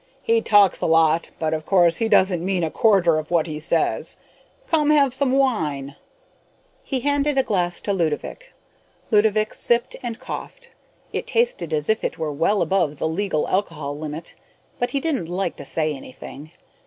"He talks a lot, but of course he doesn't mean a quarter of what he says. Come, have some wine." He handed a glass to Ludovick. Ludovick sipped and coughed. It tasted as if it were well above the legal alcohol limit, but he didn't like to say anything.